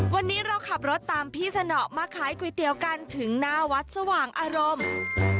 วันนี้เราขับรถตามพี่สนอมาขายก๋วยเตี๋ยวกันถึงหน้าวัดสว่างอารมณ์